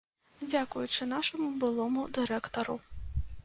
Дзякуючы нашаму былому дырэктару.